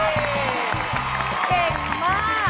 เย้